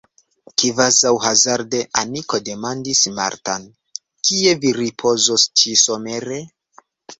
Kvazaŭ hazarde Aniko demandis Martan: Kie vi ripozos ĉi-somere?